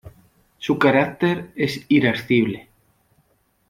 Su carácter es irascible.